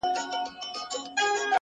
يو بل نظر وړلاندي کيږي تل